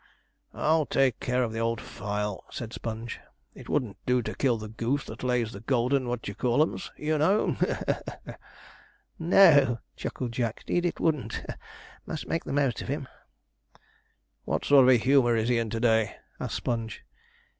'I'll take care of the old file,' said Sponge; 'it wouldn't do to kill the goose that lays the golden what do ye call 'ems, you know he, he, he!' 'No,' chuckled Jack;' 'deed it wouldn't must make the most of him.' 'What sort of a humour is he in to day?' asked Sponge.